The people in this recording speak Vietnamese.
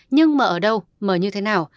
nhưng mở ở đâu mở như thế nào